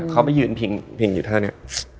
เขาไปยืนพิงอยู่ท่านี้